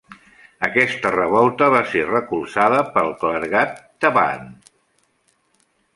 Aquesta revolta va ser recolzada pel clergat Theban.